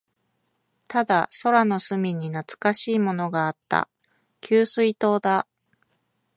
ただ、空の隅に懐かしいものがあった。給水塔だ。